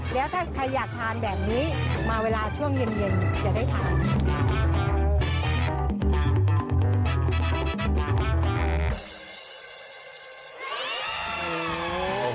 แล้วถ้าใครอยากทานแบบนี้มาเวลาช่วงเย็นจะได้ทาน